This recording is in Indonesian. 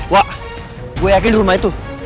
wah gue yakin rumah itu